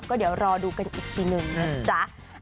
ก็เดี๋ยวรอดูกันอีกทีหนึ่งนะจ๊ะ